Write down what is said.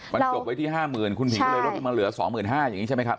มันจบไว้ที่๕๐๐๐คุณหญิงก็เลยลดลงมาเหลือ๒๕๐๐อย่างนี้ใช่ไหมครับ